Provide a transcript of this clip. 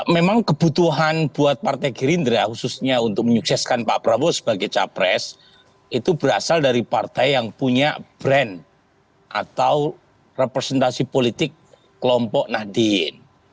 memang kebutuhan buat partai gerindra khususnya untuk menyukseskan pak prabowo sebagai capres itu berasal dari partai yang punya brand atau representasi politik kelompok nahdien